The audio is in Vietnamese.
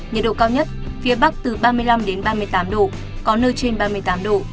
nhiệt độ cao nhất phía bắc từ ba mươi năm đến ba mươi tám độ có nơi trên ba mươi tám độ